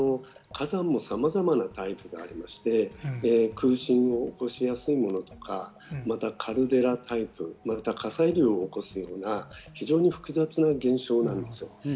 火山もさまざまなタイプがあり、空振を起こしやすいものとか、カルデラタイプ、火砕流を起こすような非常に複雑な現象なんです。